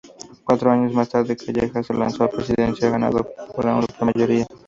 Cuatro años más tarde Callejas se lanzó a la Presidencia, ganando por amplia mayoría.